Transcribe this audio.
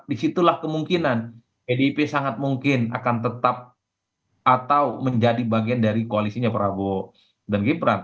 disitulah kemungkinan pdip sangat mungkin akan tetap atau menjadi bagian dari koalisinya prabowo dan gibran